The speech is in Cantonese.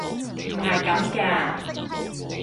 唔係咁㗎！